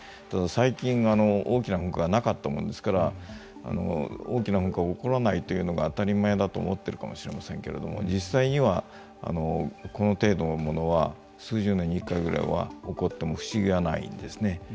ただ、最近大きな噴火がなかったものですから大きな噴火が起こらないというのが当たり前だと思っているかもしれませんけれども実際には、この程度のものは数十年に一回ぐらいは起こっても不思議はないんですよね。